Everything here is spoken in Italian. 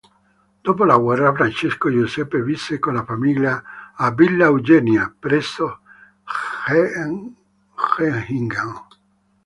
Dopo la guerra, Francesco Giuseppe visse con la famiglia a "Villa Eugenia" presso Hechingen.